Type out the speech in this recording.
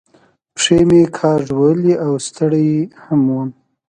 پښې مې کاږولې او ستړی هم ووم.